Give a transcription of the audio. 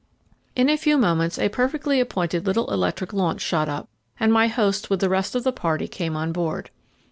In a few moments a perfectly appointed little electric launch shot up, and my host with the rest of the party came on board.